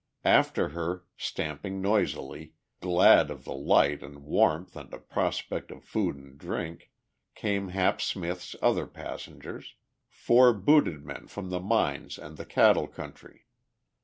After her, stamping noisily, glad of the light and warmth and a prospect of food and drink, came Hap Smith's other passengers, four booted men from the mines and the cattle country.